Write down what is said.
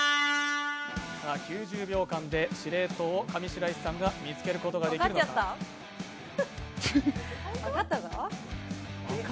９０秒間で司令塔を上白石さんが見つけることができるでしょうか？